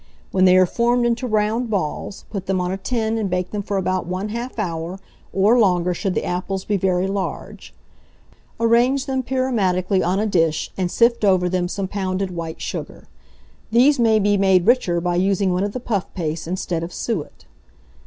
When they are formed into round balls, put them on a tin, and bake them for about 1/2 hour, or longer should the apples be very large; arrange them pyramidically on a dish, and sift over them some pounded white sugar. These may be made richer by using one of the puff pastes instead of suet.